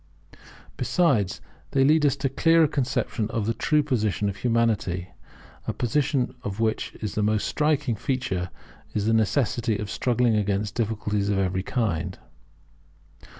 Besides, they lead us to a clearer conception of the true position of Humanity, a position of which the most striking feature is the necessity of struggling against difficulties of every kind.